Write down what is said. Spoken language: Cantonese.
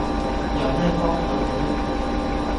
有咩幫到你？